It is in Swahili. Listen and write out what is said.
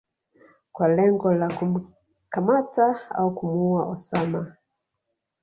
kwa lengo la kumkamata au kumuua Osama